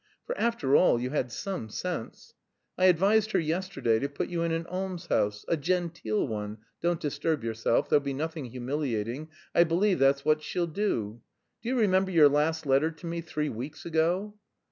For after all you had some sense. I advised her yesterday to put you in an almshouse, a genteel one, don't disturb yourself; there'll be nothing humiliating; I believe that's what she'll do. Do you remember your last letter to me, three weeks ago?"